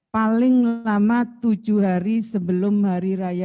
paling lama tujuh hari sebelum hari raya